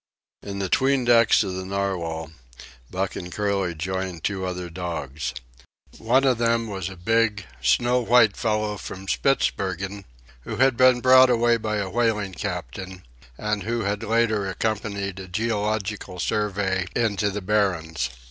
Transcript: In the 'tween decks of the Narwhal, Buck and Curly joined two other dogs. One of them was a big, snow white fellow from Spitzbergen who had been brought away by a whaling captain, and who had later accompanied a Geological Survey into the Barrens.